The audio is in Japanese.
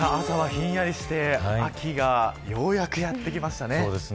朝はひんやりして秋がようやくやってきましたね。